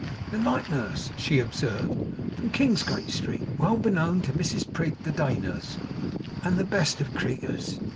'The night nurse,' she observed, 'from Kingsgate Street, well beknown to Mrs Prig the day nurse, and the best of creeturs.